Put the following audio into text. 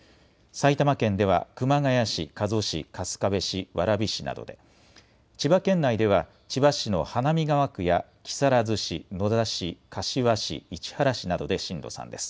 埼玉県では熊谷市、加須市、春日部市、蕨市などで、千葉県内では千葉市の花見川区や木更津市、野田市、柏市、市原市などで震度３です。